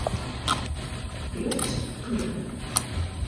Rjochts klikke.